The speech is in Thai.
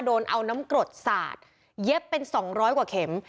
โดนเอาน้ำกรดสาดเย็บเป็น๒๐๐กว่าเข็ม